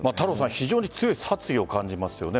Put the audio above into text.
非常に強い殺意を感じますよね